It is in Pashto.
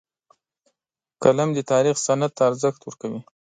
قلم د تاریخ سند ته ارزښت ورکوي